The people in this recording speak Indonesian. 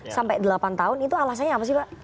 sampai delapan tahun itu alasannya apa sih pak